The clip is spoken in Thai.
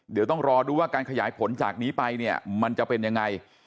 เดี๋ยวต้องรอดูว่าการขยายผลจากนี้ไปเนี่ยมันจะเป็นยังไง